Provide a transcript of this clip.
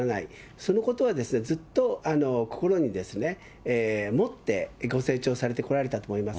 そのことはずっと心に持ってご成長されてこられたと思います。